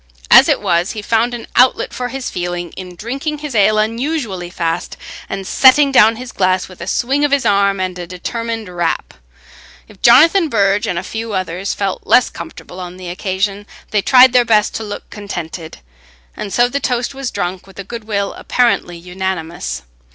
As it was, he found an outlet for his feeling in drinking his ale unusually fast, and setting down his glass with a swing of his arm and a determined rap. If Jonathan Burge and a few others felt less comfortable on the occasion, they tried their best to look contented, and so the toast was drunk with a goodwill apparently unanimous.